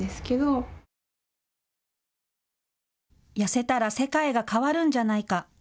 痩せたら世界が変わるんじゃないか。